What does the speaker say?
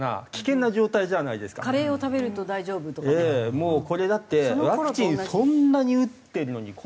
もうこれだってワクチンそんなに打ってるのにこれだけ死んでるし。